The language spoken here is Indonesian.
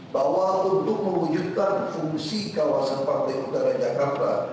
bahwa untuk mewujudkan fungsi kawasan pantai utara jakarta